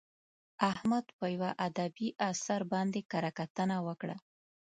احمد په یوه ادبي اثر باندې کره کتنه وکړه.